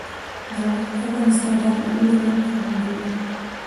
زمرد د افغانستان د اقلیمي نظام ښکارندوی ده.